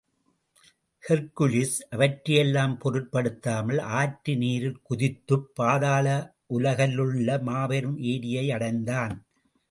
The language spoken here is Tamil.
ஹெர்க்குலிஸ் அவற்றையெல்லாம் பொருட்படுத்தாமல், ஆற்று நீரில் குதித்துப் பாதாள உலகிலுள்ள மாபெரும் ஏரியை அடைந்தான்.